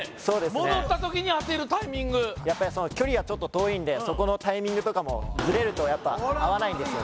戻った時に当てるタイミング距離がちょっと遠いんでそこのタイミングとかもズレるとやっぱ合わないんですよ